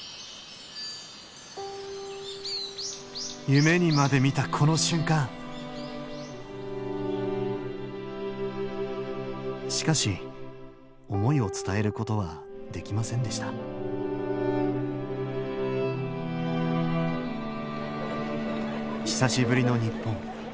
夢にまで見たこの瞬間しかし思いを伝えることはできませんでした久しぶりの日本。